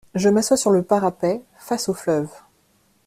Je m’assois sur le parapet, face au fleuve.